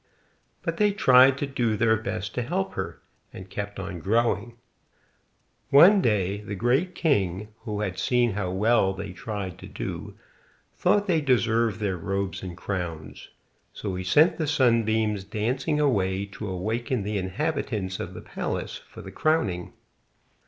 But they tried to do their best to help her, and kept on growing. One day the Great King, who had seen how well they tried to do, thought they deserved their robes and crowns, so he sent the sunbeams dancing away to awaken the inhabitants of the palace for the crowning.